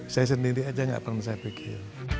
saya sendiri aja nggak pernah saya pikir